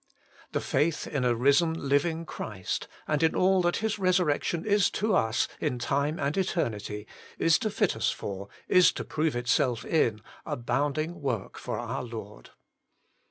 The faith in a risen, living Christ, and in all that His resurrec tion is to us in time and eternity, is to fit us for, is to prove itself in — abounding work for our Lord